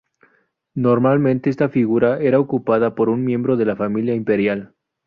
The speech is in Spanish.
Normalmente esta figura era ocupada por un miembro de la familia imperial.